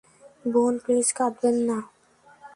বোন, প্লিজ কাঁদবেন না।